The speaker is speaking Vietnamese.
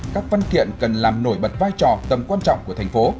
các văn kiện cần làm nổi bật vai trò tầm quan trọng của thành phố